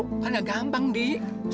kan gak gampang dia